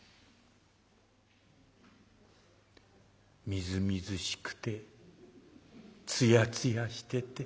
「みずみずしくてツヤツヤしてて」。